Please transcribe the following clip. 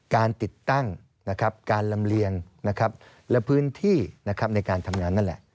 การติดตั้งการลำเลียงและพื้นที่ในการทำงานนั่นแหละ